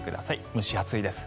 蒸し暑いです。